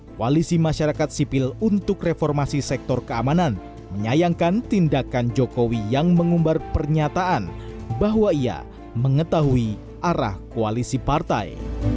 koalisi masyarakat sipil untuk reformasi sektor keamanan menyayangkan tindakan jokowi yang mengumbar pernyataan bahwa ia mengetahui arah koalisi partai